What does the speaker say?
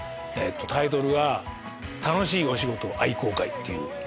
タイトルが『楽しいお仕事愛好会』っていう。